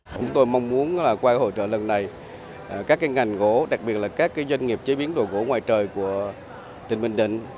chúng tôi mong muốn qua hội trợ lần này các ngành gỗ đặc biệt là các doanh nghiệp chế biến đồ gỗ ngoài trời của tỉnh bình định